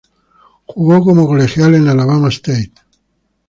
Jugo como colegial en Alabama State.